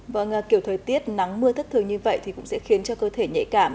vâng kiểu thời tiết nắng mưa thất thường như vậy thì cũng sẽ khiến cho cơ thể nhạy cảm